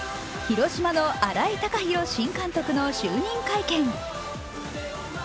広島の新井貴浩新監督の就任会見。